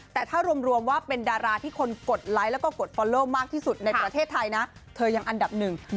แต่ถ้ารวมว่าเป็นดาราที่คนกดไลค์แล้วก็กดฟอลเลอร์มากที่สุดในประเทศไทยนะเธอยังอันดับหนึ่ง